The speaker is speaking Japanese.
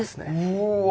うわ。